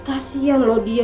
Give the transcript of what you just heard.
kasian loh dia